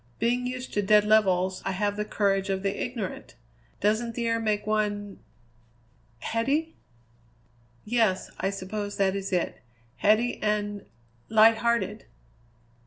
Being used to dead levels, I have the courage of the ignorant. Doesn't the air make one " "Heady?" "Yes. I suppose that is it. Heady and light hearted."